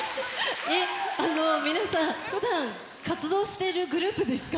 皆さん、ふだん活動してるグループですか？